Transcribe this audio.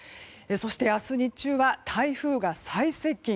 そして、明日日中は台風が最接近。